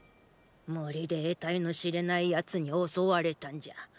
森で得体の知れない奴に襲われたんじゃ。